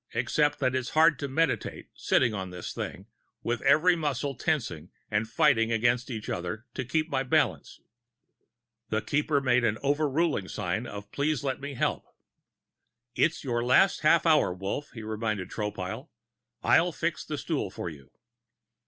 Except it is hard to meditate, sitting on this thing, with every muscle tensing and fighting against every other to keep my balance...." The Keeper made an overruling sign of please let me help. "It's your last half hour, Wolf," he reminded Tropile. "I'll fix the stool for you."